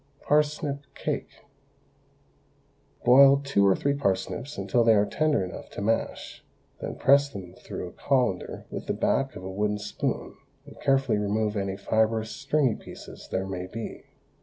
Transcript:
PARSNIP CAKE. Boil two or three parsnips until they are tender enough to mash, then press them through a colander with the back of a wooden spoon, and carefully remove any fibrous, stringy pieces there may be.